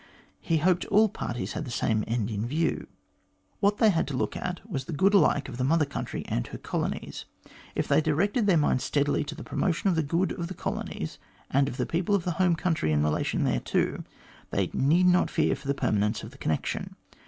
He hoped all parties had the same end in view. "What they had to look at was the good alike of the Mother Country and her colonies. If they directed their minds steadily to the pro motion of the good of the colonies and of the people of the home country in relation thereto, they need not fear for the permanence of the connection.